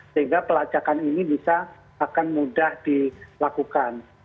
sehingga pelacakan ini bisa akan mudah dilakukan